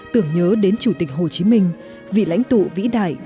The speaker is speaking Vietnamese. tưởng nhớ đến chủ tịch hồ chí minh vị lãnh tụ vĩ đại